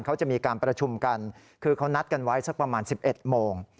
เขาจะมีการประชุมกันคือเขานัดกันไว้สักประมาณ๑๑โมง